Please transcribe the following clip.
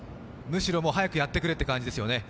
むしろ早くやってくれって感じですよね。